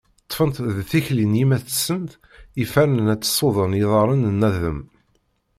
Ṭfent deg tikli n yemma-tsent ifernen ad tessuden iḍarren n Adem.